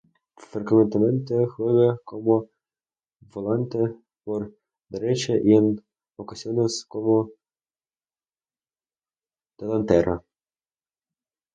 Frecuentemente juega como volante por derecha y en ocasiones como delantera.